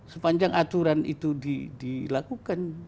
sepanjang aturan itu dilakukan